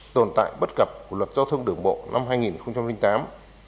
tồn tại bất cập của luật giao thông đường bộ năm hai nghìn tám